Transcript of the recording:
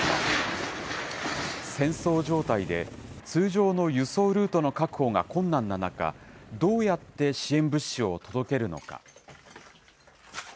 戦争状態で、通常の輸送ルートの確保が困難な中、どうやって支援物資を届けるのか。